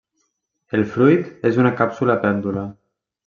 El fruit és una càpsula pèndula.